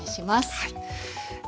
はい。